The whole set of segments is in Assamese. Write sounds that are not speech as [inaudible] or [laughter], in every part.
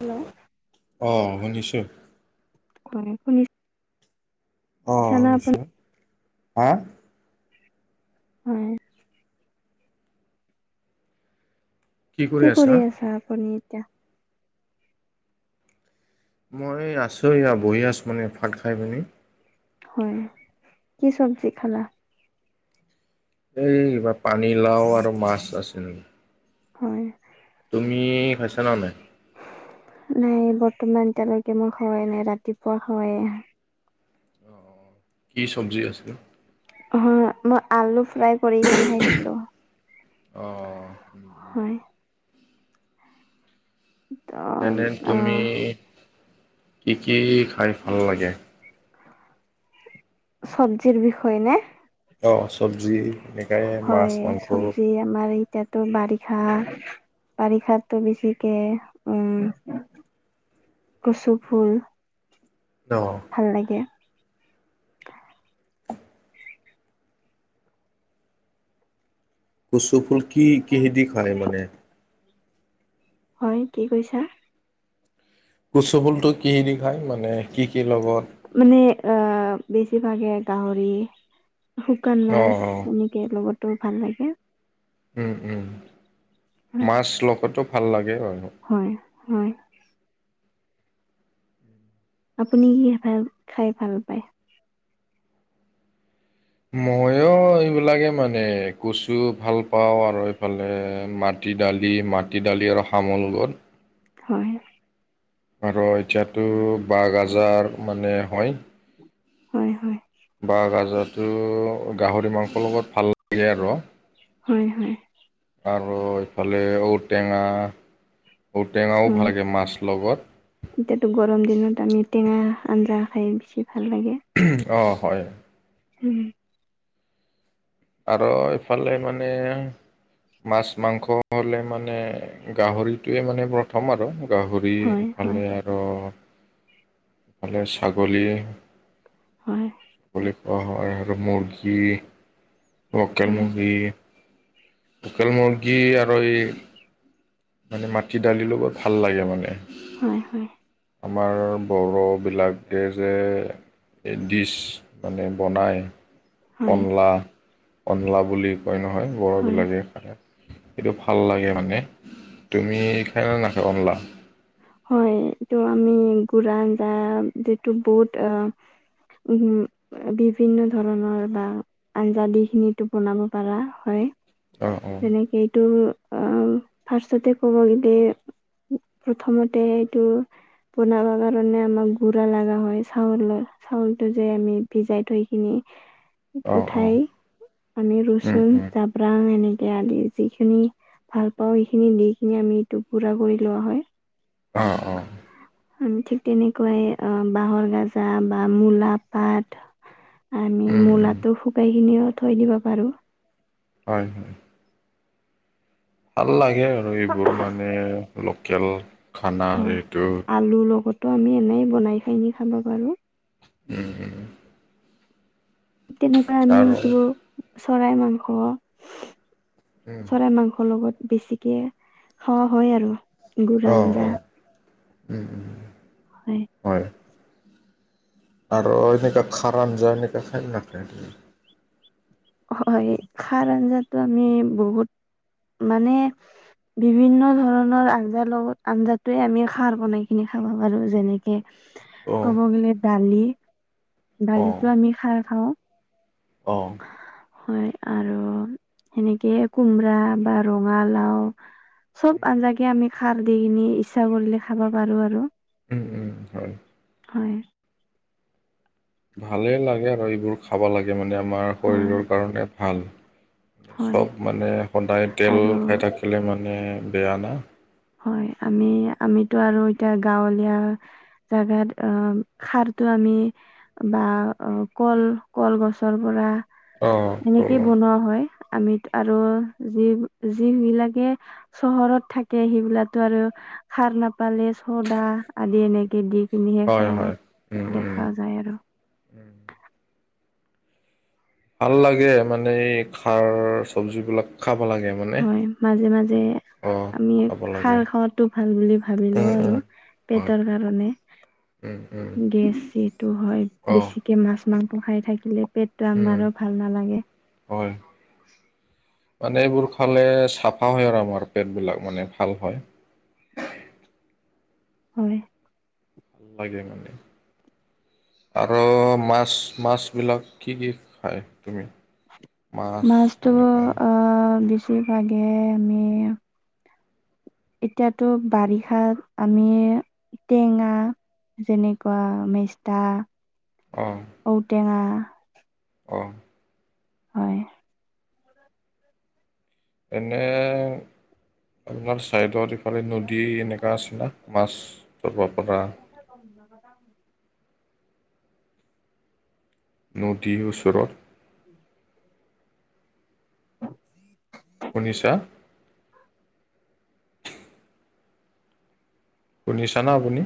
হেল্ল' অ শুনিছো। [unintelligible] শুনি [unintelligible] অ' শুনিছোঁ, হা - উম। কি কৰি আছে আপুনি? এতিয়া মই আছোঁ এয়া বহি আছো মানে ভাত খাই পিনি। হয়, কি চব্জি খালা? এই ইবাৰ পানীলাও আৰু মাছ আছিল। উম। তুমি খাইছা না নাই? নাই বৰ্তমান এতিয়ালৈকে মই খোৱাই নাই ৰাতিপুৱা খোৱায়ে। কি চব্জি আছে? অ মই আলু ফ্ৰাই কৰি কিনি খাইছিলো অ হয়। ত যেনে অ তুমি কি কি খাই ভাল লাগে? চব্জিৰ বিষয়ে নে? অ' চব্জি এনেকাই মাছ হয় মাংস। চব্জি আমাৰ এতিয়াতো বাৰিষা বাৰিষাতো বেছিকে উম কচু ফুল অ' ভাল লাগে। কচু ফুল কি কিহেদি খায় মানে? হয় কি কৈছা? কুচু ফুলটো কিহে দি খায় মানে কি কি লগত? মানে অ' বেছিভাগে গাহৰি শুকান অ মাছ অ এনে সেইৰ লগতো ভাল লাগে। উম, উম, হয় মাছ লগতো ভাল লাগে আৰু। হয়, হয়। আপুনি কি ভাল খাই ভাল পায়? ময়ো এইবিলাকে মানে কচু ভাল পাওঁ আৰু এইফালে মাত। দালি মাটি দালি আৰু হাহ মাংস লগত। হয়। আৰু এতিয়াতো বা গাজাৰ মানে হয়। হয় হয়। বাঁহ গাজাটো গাহৰি মাংসৰ লগত ভাল লাগে আৰু। হয় হয়। আৰু এইফালে ঔটেঙা ঔটেঙাও অ ভাল লাগে মাছ লগত। এতিয়াতো গৰম দিনত আমি টেঙা আঞ্জা খাই বেছি ভাল লাগে। অ' হয়। উ'ম। আৰু ইফালে মানে মাছ মাংস হ'লে মানে গাহৰিটোৱে মানে প্ৰথম আৰু। গাহৰি হয় হয় ইফালে আৰু ইফালে ছাগলী। হয় চাগলী খোৱা হয় মূৰ্গী লোকেল হয় মুৰ্গী। লোকেল মুৰ্গী আৰু এই মানে মাটি দালি লগত ভাল লাগে মানে। হয়, হয়। আমাৰ বড়োবিলাকে যে এ ডিছ মানে বনায়। হয় কনলা, কনলা বুলি কয় নহয় হয় বড়োবিলাকে খায়। সেইটো ভাল লাগে মানে। তুমি খাই নে নাখাই বানলা। হয় এইটো আমি গুড় আঞ্জা যিটো বহুত। উহুম। বিভিন্ন ধৰণৰ বা আঞ্জা দিখিনি বনাব পৰা হয়। অঁ অঁ তেনেকে এইটো আহ ফাৰ্ষ্ট তেওঁ ক'ব গ'লে। প্ৰথমতে এইটো বনাব কাৰণে আমাক গুড়া লগা হয় চাউলৰ। চাউলটো যে আমি ভিজাই থৈ কিনি। অঁ উঠাই অঁ আমি উম ৰুচন উম যাব- পুৰাং এনেকৈ আদি যিখিনি ভাল পাওঁ সেইখিনি দি কিনি আমি টোকুৰা কৰি লোৱা হয়। অঁ অঁ। আমি ঠিক অঁ তেনেকুৱাই বাঁহৰ গাজা বা মূলা পাত। আমি উম উম মূলাটো শুকাই কিনিও থৈ দিব পাৰো। হয়, হয়। ভাল লাগে আৰু এইবোৰ মানে লোকেল খানা হয় এইটো। আলুৰ লগতো আমি এনেই বনাই খিনি খাব পাৰোঁ। উ'ম। তেনেকুৱা আমি আৰু এইটো চৰাই মাংস। উম চৰাই মাংসৰ লগত বেছিকে খোৱা হয় আৰু। গুৰ অঁহ, আঞ্জা অঁহ। হয়। আৰু এনেকা খাৰান যা এনেককা খাই নেখাই। হয়, খাৰ আঞ্জাতটো আমি বহুত মানে। বিভিন্ন ধৰণৰ আঞ্জাৰ লগত আঞ্জাটোৱে আমি খাৰ বনাই কিনি খাব পাৰো যেনেক। কে, অ ক'ব গ'লে দালি দালিতো আমি খাই খাওঁ। অহঁ। হয়, আৰু সেনেকে কোমৰা বা ৰঙালাও। চব আঞ্জাকে আমি খাৰ দি কিনি ইচ্ছা কৰিলে খাব পাৰো আৰু। উম উম হয়। হয়। ভালেই লাগে আৰু এইবোৰ খাব লাগে মানে আমাৰ হয় শৰীৰৰ কাৰণে ভাল। হয় চব মানে সদায় তেল আৰু খাই থাকিলে মানে বেয়া না। হয়, আমি আমিতো আৰু এতিয়া গাঁৱলীয়া। জাগাত অ খাৰতটো আমি। বা অ কল কলগছৰ পৰা অ এনেকেই ক'লো বনোৱা হয়। আমিত আৰু যি য বিলাকে চহৰত থাকি। কে, সেইবিলো আৰু খাৰ নাপালে চদা আদি এনেকে দি- কিনি হে হয় খোৱা, হয় উম উম দেখা যায় আৰু। ভাল লাগে মানে খাৰ চবজিবিলাক খাব লাগে। মানে হয় মাজে মাজে। অ আমি খাব লাগে খাৰ খোৱাাতো ভাল বুলি ভাবিলো উম উম আৰু হয় পেটৰ কাৰণে। উম উম গেছ এইটো হয় অ বেছি। মাছ মাংস খাই থাকিলে পেটটো উম আমাৰো ভাল নালাগে। হয়। মানে এইবোৰ খালে চাফা হয় আৰু আমাৰ পেটবিলাক মানে ভাল হয়। হয়। লাগে মানে আৰু মাছ মাছবিলাক কি দি খায় তুমি? মাছ মাছতো এনেকা আহ বেছিভাগে আমি। এতিয়াতো বাৰিষাত আমি টেঙা যেনেকুৱা মেষ্টা অ' ঔটেঙা। অ'! হয়! এনে, আপোনাৰ চাইডৰ। এফালে, নদী এনেকুৱা আছিলে, মাছ ধৰিব পৰা। [unintelligible] নদীৰ ওচৰত। [unintelligible] শুনিছা? শুনিছানে, আপুনি?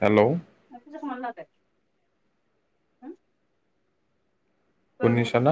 হেল্ল'? [unintelligible] শুনিছানে?